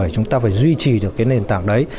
chúng ta phải duy trì được nền tảng đấy